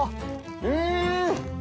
うん！